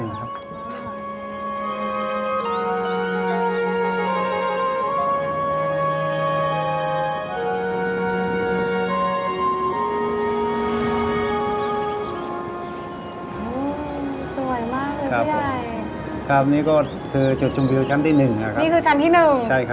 สวยมากเลยครับนี่ก็คือจุดชมวิวชั้นที่หนึ่งครับนี่คือชั้นที่หนึ่งใช่ครับ